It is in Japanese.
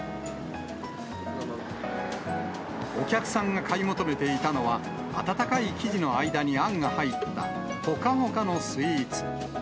お客さんが買い求めていたのは、温かい生地の間にあんが入った、ほかほかのスイーツ。